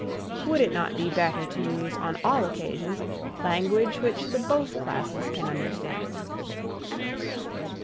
Would it not be better to use, on all occasions, language which the both classes can understand?